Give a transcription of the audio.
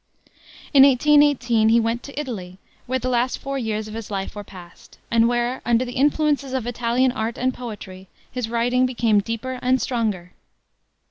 In 1818 he went to Italy, where the last four years of his life were passed, and where, under the influences of Italian art and poetry, his writing became deeper and stronger.